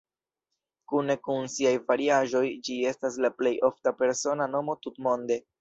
Kune kun siaj variaĵoj ĝi estas la plej ofta persona nomo tutmonde.